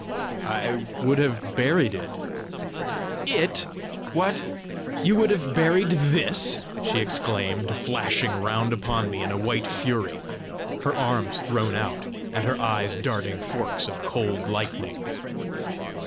"I would have buried it." "It! What? You would have buried THIS?" she exclaimed, flashing round upon me in a white fury, her arms thrown out, and her eyes darting forks of cold lightning.